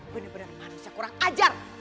bener bener manusia kurang ajar